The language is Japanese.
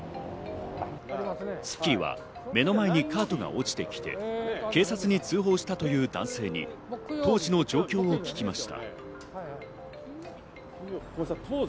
『スッキリ』は目の前にカートが落ちてきて警察に通報したという男性に当時の状況を聞きました。